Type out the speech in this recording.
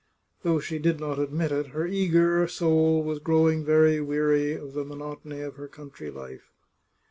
Though she did not admit it, her eager soul was growing very weary of the monotony of her country life.